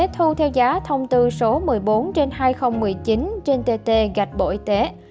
thu theo giá thông tư số một mươi bốn trên hai nghìn một mươi chín trên tt gạch bộ y tế